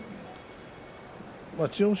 千代翔